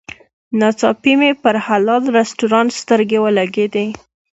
ناڅاپي مې پر حلال رسټورانټ سترګې ولګېدې.